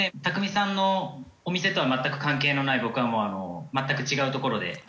拓見さんのお店とは全く関係のない僕はもうあの全く違う所で。